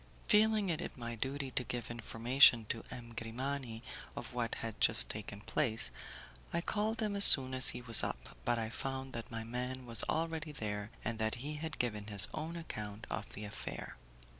Feeling it my duty to give information to M. Grimani of what had just taken place, I called upon him as soon as he was up, but I found that my man was already there, and that he had given his own account of the affair.